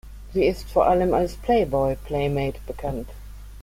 Sie ist vor allem als Playboy-Playmate bekannt.